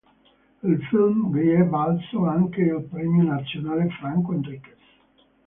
Il film gli è valso anche il Premio Nazionale Franco Enriquez.